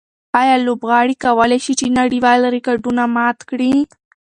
آیا لوبغاړي کولای شي چې نړیوال ریکارډونه مات کړي؟